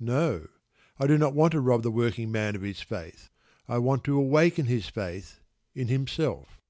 No, I do not want to rob the working man of his faith: I want to awaken his faith in himself.